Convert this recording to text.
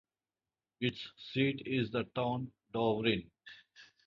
Its seat is the town Douvrin.